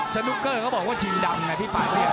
สนุกเกอร์เขาบอกว่าชิงดำไงพี่ปานเรียก